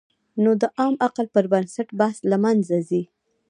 نو د عام عقل پر بنسټ بحث له منځه ځي.